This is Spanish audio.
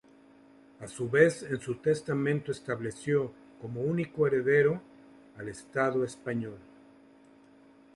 A su vez, en su testamento estableció como único heredero al Estado Español.